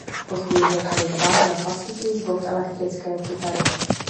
Později začaly dbát na hlasitý zvuk elektrické kytary.